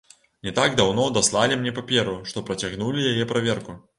Не так даўно даслалі мне паперу, што працягнулі яе праверку.